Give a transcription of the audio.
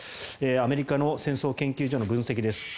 アメリカの戦争研究所の分析です。